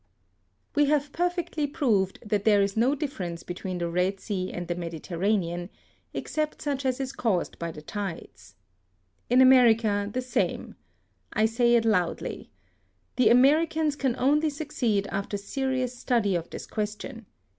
We have perfectly proved that there is no difference between the Eed Sea and the Mediterranean, B 18 HISTORY OP except such as is caused by the tidea In America the same, I say it loudly. The Americans can only succeed after serious study of this question.